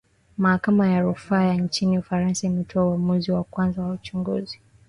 mahakama ya rufaa ya nchini ufaransa imetoa uamuzi wa kuanza kwa uchunguzi